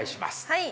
はい。